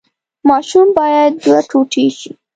ماشوم باید دوه ټوټې شي.